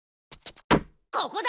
ここだ！